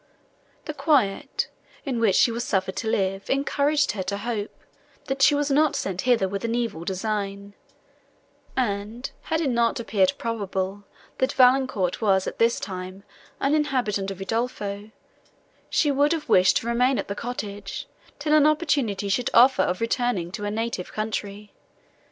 The quiet, in which she was suffered to live, encouraged her to hope, that she was not sent hither with an evil design; and, had it not appeared probable, that Valancourt was at this time an inhabitant of Udolpho, she would have wished to remain at the cottage, till an opportunity should offer of returning to her native country.